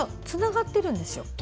つながっているんですよ。